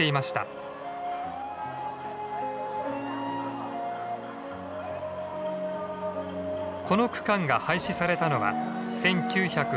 この区間が廃止されたのは１９８５年のこと。